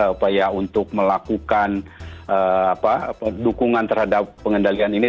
upaya untuk melakukan dukungan terhadap pengendalian ini